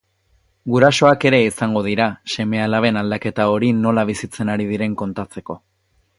Gurasoak ere izango dira, seme-alaben aldaketa hori nola bizitzen ari diren kontatzeko.